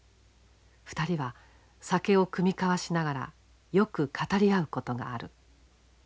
２人は酒を酌み交わしながらよく語り合うことがある。